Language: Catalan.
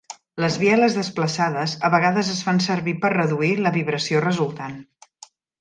Les bieles desplaçades, a vegades es fan servir per reduir la vibració resultant.